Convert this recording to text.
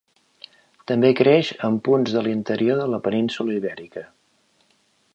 També creix en punts de l'interior de la península Ibèrica.